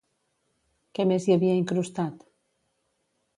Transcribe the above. Què més hi havia incrustat?